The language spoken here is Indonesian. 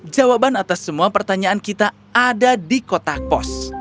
jawaban atas semua pertanyaan kita ada di kotak pos